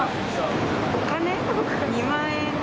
お金２万円